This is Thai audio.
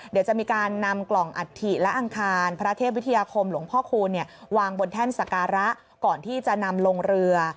เดี๋ยวจะมีการนำกล่องอัฐิและอังคารพระเทพวิทยาคมหลวงพ่อคูณวางบนแท่นสการะก่อนที่จะนำลงเรือ